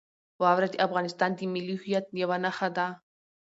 واوره د افغانستان د ملي هویت یوه نښه ده.